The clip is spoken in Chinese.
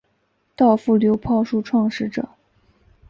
稻富流炮术创始者。